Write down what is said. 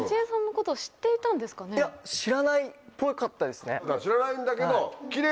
知らないぽかったですね。